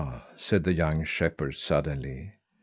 said the young shepherd, suddenly.